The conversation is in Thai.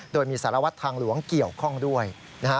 โดยมีสารวัตรทางหลวงเกี่ยวข้องด้วยนะฮะ